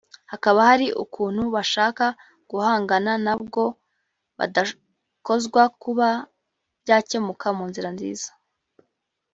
hakaba hari ukuntu bashaka guhangana nabwo badakozwa kuba byakemuka munzira nziza